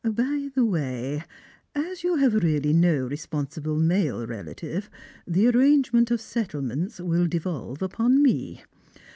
By the way, as you have really no responsible male relative, the arrangement of settlements will devolve upon me.